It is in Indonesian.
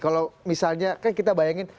kalau misalnya kan kita bayangin